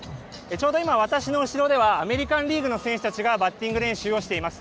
ちょうど今、私の後ろではアメリカンリーグの選手たちがバッティング練習をしています。